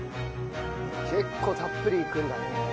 結構たっぷりいくんだね。